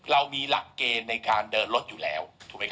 เรามีหลักเกรณ์ในการเดินรถอยู่แล้ว